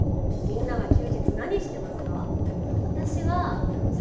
みんなは休日何してますか？